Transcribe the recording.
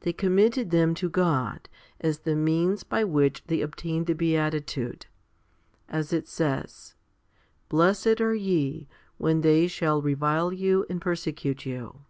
They com mitted them to God as the means by which they obtained the beatitude ; as it says, Blessed are ye, when they shall revile you, and persecute you.